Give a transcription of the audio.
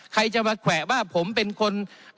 ใครจะมาแขวะว่าผมเป็นคน